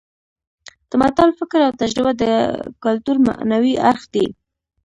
د متل فکر او تجربه د کولتور معنوي اړخ دی